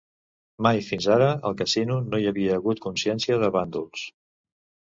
Mai fins ara al casino no hi havia hagut consciència de bàndols.